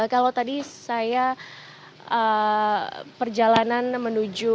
kalau tadi saya perjalanan menuju